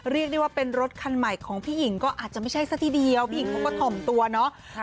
เรียกได้ว่าเป็นรถคันใหม่ของพี่หญิงก็อาจจะไม่ใช่ซะทีเดียวพี่หญิงเขาก็ถ่อมตัวเนาะ